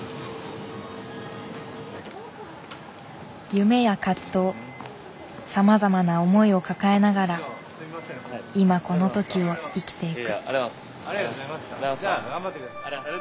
夢や葛藤さまざまな思いを抱えながら今この時を生きていく。